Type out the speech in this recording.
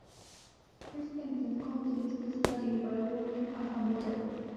Christensen continued to study while working as a model.